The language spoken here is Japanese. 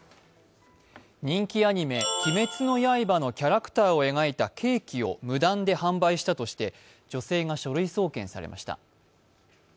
人気アニメ「鬼滅の刃」のキャラクターを描いたケーキを無断で販売したとして女性が書類送検されました。